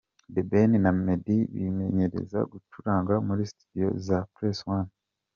The Ben na Meddy bimenyereza gucuranga muri Studio za Press One.